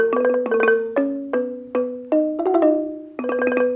สิ่งที่จะผมฝากไว้